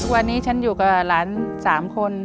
วันนี้ฉันอยู่กับหลาน๓คน